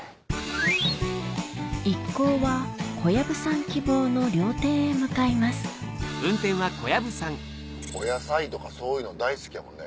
一行は小籔さん希望の料亭へ向かいますお野菜とかそういうの大好きやもんね。